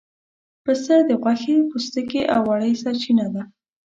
پسه د غوښې، پوستکي او وړۍ سرچینه ده.